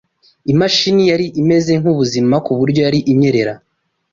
Imashini yari imeze nkubuzima ku buryo yari inyerera.